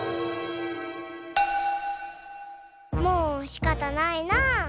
もうしかたないなあ。